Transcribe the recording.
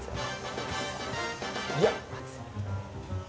いや！